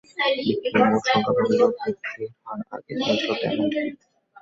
বিক্রির মোট সংখ্যা বাড়লেও বৃদ্ধির হার আগে যেমন ছিল, তেমনটি নেই।